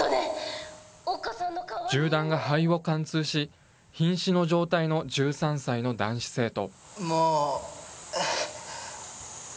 銃弾が肺を貫通し、ひん死の状態の１３歳の男子生徒。